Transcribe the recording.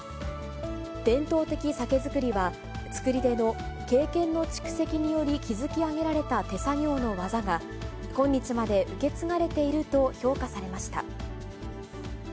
伝統的酒造りは、造り手の経験の蓄積により築き上げられた手作業のわざが、今日まで受け継がれていると評価されました。